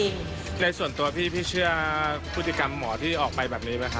ในส่วนตัวพี่พี่เชื่อพฤติกรรมหมอที่ออกไปแบบนี้ไหมครับ